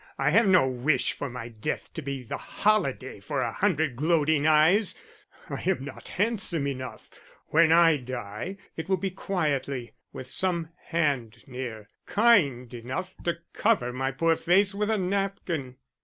I have no wish for my death to be the holiday for a hundred gloating eyes, I am not handsome enough. When I die, it will be quietly, with some hand near, kind enough to cover my poor face with a napkin."